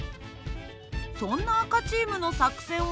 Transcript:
そんな赤チームの作戦は？